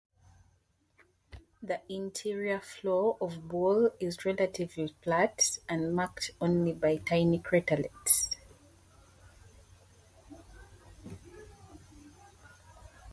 The interior floor of Boole is relatively flat, and marked only by tiny craterlets.